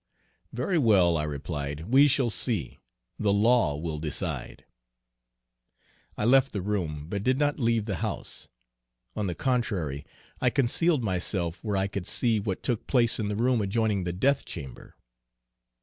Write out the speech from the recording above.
"'Very well,' I replied, 'we shall see. The law will decide.' "I left the room, but did not leave the house. On the contrary, I concealed myself where I could see what took place in the room adjoining the death chamber.